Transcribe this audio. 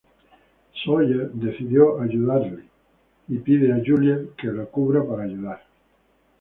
Sawyer decidido a ayudar le pide a Juliet que lo cubra para ayudar.